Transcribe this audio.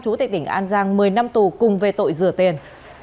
chú tại tỉnh an giang một mươi năm tù cùng về tội rửa tiền